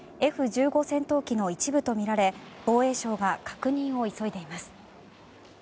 Ｆ１５戦闘機の一部とみられ防衛省が確認を急いでいます。